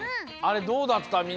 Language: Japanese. あれどうだった？